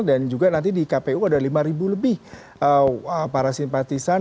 dan juga nanti di kpu ada lima lebih para simpatisan